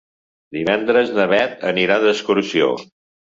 Divendres na Beth anirà d'excursió.